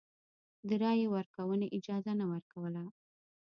د رایې ورکونې اجازه نه ورکوله.